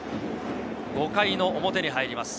５回の表に入ります。